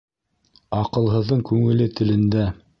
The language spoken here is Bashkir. Аҡылһыҙҙың күңеле телендә.